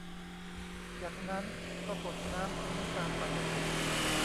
จากนั้นก็กดน้ำทิ้งตามปกติ